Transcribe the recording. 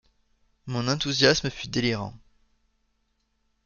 Mon enthousiasme fut délirant.